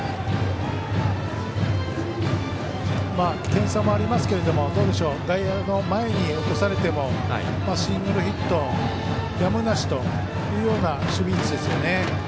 点差もありますけれども外野の前に落とされてもシングルヒットやむなしというような守備位置ですよね。